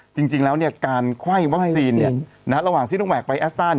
จริงแล้วการไขว้วัปซีนระหว่างที่ต้องแหวกไฟแอสตาร์